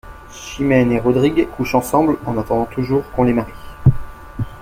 Chimène et Rodrigue couchent ensemble en attendant toujours qu'on les marie.